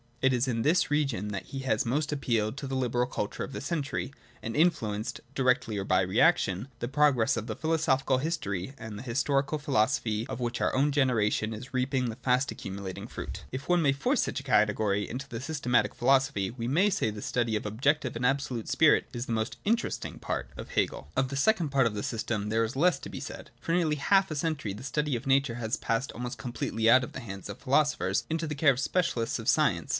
It is in this region that he has most appealed to the liberal culture of the century, and influenced (directly or by reaction) the progress of that philosophical history and historical philosophy of which our own generation is reaping the fast accumu lating fruit. If one may foist such a category into systematic philosophy, we may say that the study of the ' Objective ' and ' Absolute Spirit ' is the most interesting part of Hegel. Of the second part of the system there is less to be said. For nearly half a century the study of nature has passed almost completely out of the hands of the philo sophers into the care of the specialists of science.